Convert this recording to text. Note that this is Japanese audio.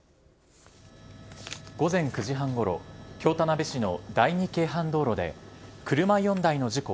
午前９時半ごろ、京田辺市の第二京阪道路で、車４台の事故。